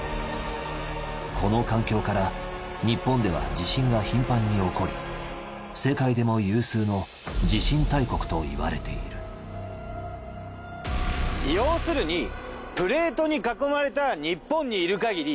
この環境から日本では地震が頻繁に起こり世界でも有数の地震大国といわれている要するにプレートに囲まれた日本にいるかぎり